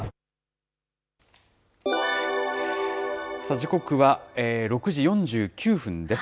時刻は６時４９分です。